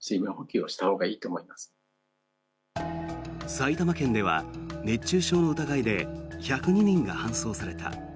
埼玉県では熱中症の疑いで１０２人が搬送された。